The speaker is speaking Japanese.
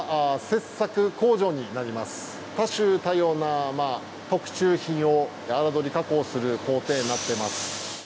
多種多様な特注品を荒取り加工する工程になってます。